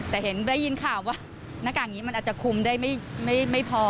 แต่เห็นได้ยินข่าวว่าหน้ากากอย่างนี้มันอาจจะคุมได้ไม่พอ